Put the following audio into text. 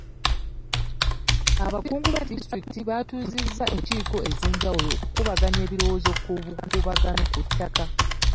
Abakungu ba disitulikiti batuuzizza enkiiko ez'enjawulo okukubaganya ebirowoozo ku bukuubagano ku ttaka.